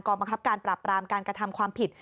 บังคับการปราบรามการกระทำความผิด